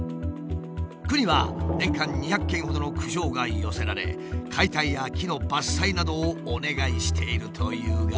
区には年間２００件ほどの苦情が寄せられ解体や木の伐採などをお願いしているというが。